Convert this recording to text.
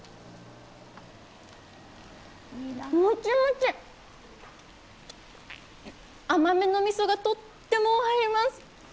もちもち、甘めのみそがとっても合います。